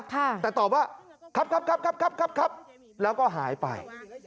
แต่ตอบว่าครับครับแล้วก็หายไป